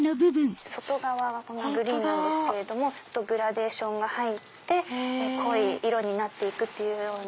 外側はグリーンなんですけどグラデーションが入って濃い色になって行くような。